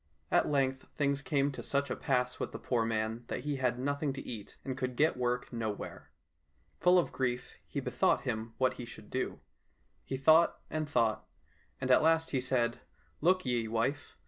At length things came to such a pass with the poor man that he had nothing to eat, and could get work nowhere. Full of grief, he bethought him what he should do. He thought and thought, and at last he said, " Look ye, wife !